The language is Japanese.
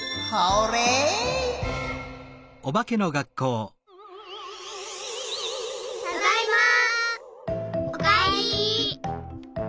おかえり。